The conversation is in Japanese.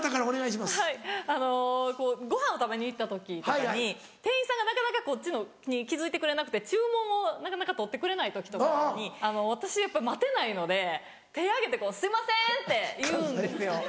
はいあのごはんを食べに行った時とかに店員さんがなかなかこっちに気付いてくれなくて注文をなかなか取ってくれない時とかに私やっぱ待てないので手挙げて「すいません」って言うんですよ。